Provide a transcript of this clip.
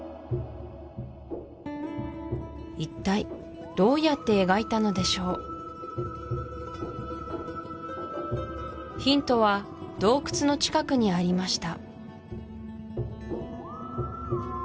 一体どうやって描いたのでしょうヒントは洞窟の近くにありました